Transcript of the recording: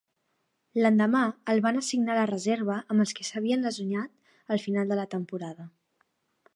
L'endemà, el van assignar a la reserva amb els que s'havien lesionat al final de la temporada.